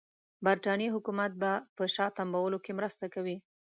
برټانیې حکومت به په شا تمبولو کې مرسته کوي.